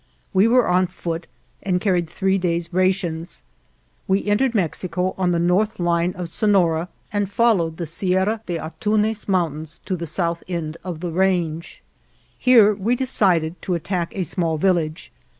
We were on foot and carried three days' rations. We entered Mexico on the north line of Sonora and fol lowed the Sierra de Antunez Mountains to the south end of the range. Here we de cided to attack a small village.